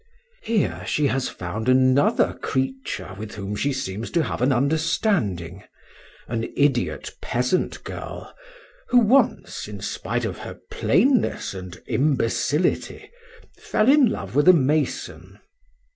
"Here she has found another creature with whom she seems to have an understanding an idiot peasant girl, who once, in spite of her plainness and imbecility, fell in love with a mason.